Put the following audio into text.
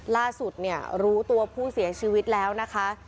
ล่าสุดเนี่ยรู้ตัวผู้เสียชีวิตแล้วนะคะ